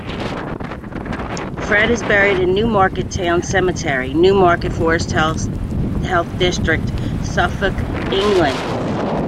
Fred is buried in Newmarket Town Cemetery, Newmarket, Forest Health District, Suffolk, England.